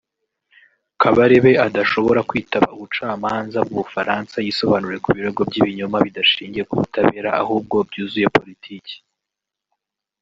Kabarebe adashobora kwitaba ubucamanza bw’u Bufaransa yisobanure ku birego by’ibinyoma bidashingiye ku butabera ahubwo byuzuye politiki